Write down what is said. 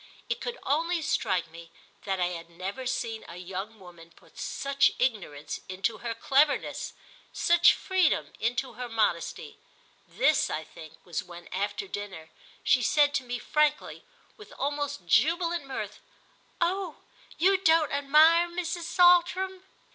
It could only strike me that I had never seen a young woman put such ignorance into her cleverness, such freedom into her modesty; this, I think, was when, after dinner, she said to me frankly, with almost jubilant mirth: "Oh you don't admire Mrs. Saltram?"